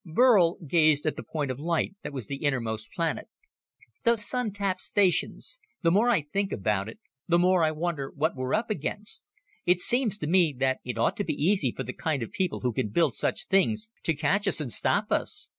Burl gazed at the point of light that was the innermost planet. "Those Sun tap stations ... The more I think about it, the more I wonder what we're up against. It seems to me that it ought to be easy for the kind of people who can build such things to catch us and stop us.